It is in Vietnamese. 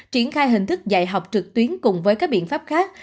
triển khai hình thức dạy học trực tuyến cùng với các biện pháp khác